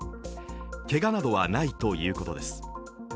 けがなどはないということです。